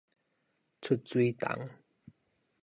出水筒